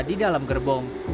di dalam kereta